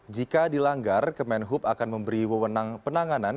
jika dilanggar kementerian perhubungan akan memberi wawanan penanganan